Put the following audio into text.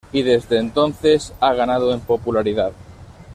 Y desde entonces ha ganado en popularidad.